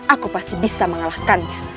aku pasti bisa mengalahkannya